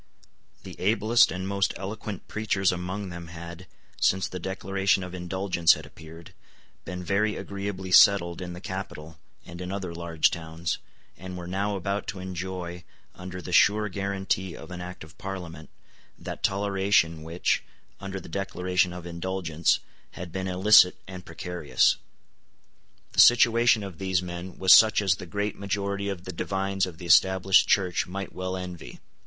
The ablest and most eloquent preachers among them had, since the Declaration of Indulgence had appeared, been very agreeably settled in the capital and in other large towns, and were now about to enjoy, under the sure guarantee of an Act of Parliament, that toleration which, under the Declaration of Indulgence, had been illicit and precarious. The situation of these men was such as the great majority of the divines of the Established Church might well envy.